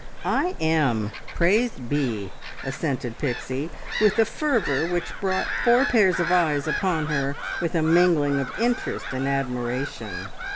"I am, praise be!" assented Pixie, with a fervour which brought four pairs of eyes upon her with a mingling of interest and admiration.